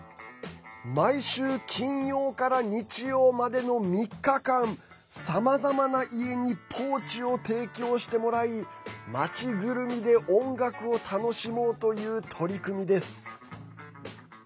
毎週、金曜から日曜までの３日間さまざまな家にポーチを提供してもらい町ぐるみで音楽を楽しもうという取り組みです。